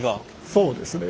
そうですね。